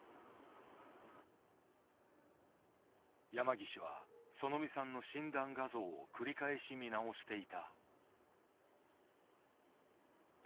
山岸はそのみさんの診断画像を繰り返し見直していた。